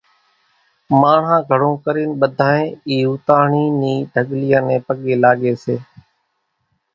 ماڻۿان گھڻو ڪرين ٻڌانئين اِي ھوتاۿڻي ني ڍڳليان نين پڳين لاڳي سي